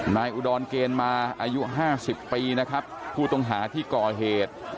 อุดรเกณฑ์มาอายุห้าสิบปีนะครับผู้ต้องหาที่ก่อเหตุ